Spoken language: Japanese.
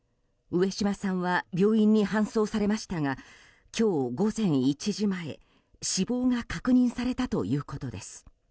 上島さんは病院に搬送されましたが今日午前１時前死亡が確認されたということです。